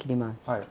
はい。